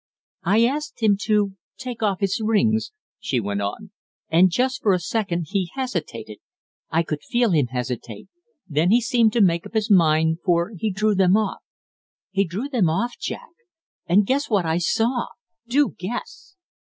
"I asked him to, take off his rings," she went on, "and just for a second he hesitated I could feel him hesitate; then he seemed to make up his mind, for he drew them off. He drew them off, Jack, and guess what I saw! Do guess!"